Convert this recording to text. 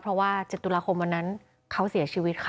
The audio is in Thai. เพราะว่า๗ตุลาคมวันนั้นเขาเสียชีวิตค่ะ